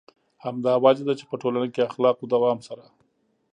همدا وجه ده چې په ټولنه کې اخلاقو دوام سره.